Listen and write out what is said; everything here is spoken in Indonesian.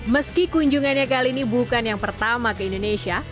meski kunjungannya kali ini bukan yang pertama ke indonesia